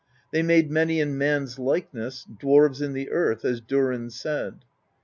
They made many in man's likeness. Dwarves in the earth, as Durinn said.